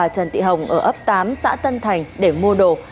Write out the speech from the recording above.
trần thị hồng ở ấp tám xã tân thành để mua đồ